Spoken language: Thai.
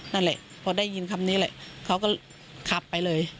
นั่นแหละพอได้ยินคำนี้แหละเขาก็ขับไปเลย